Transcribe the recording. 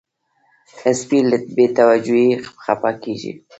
سپي له بې توجهۍ خپه کېږي.